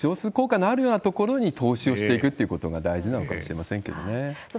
乗数効果のあるところに投資をしていくということが大事なのかもしれませんけれどもね。